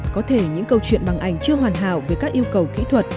có thể những câu chuyện bằng ảnh chưa hoàn hảo về các yêu cầu kỹ thuật